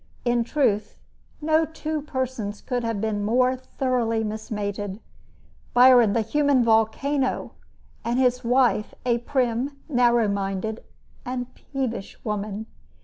In truth, no two persons could have been more thoroughly mismated Byron, the human volcano, and his wife, a prim, narrow minded, and peevish woman.